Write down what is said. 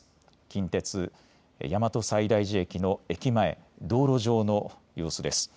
近鉄、大和西大寺駅の駅前道路上の様子です。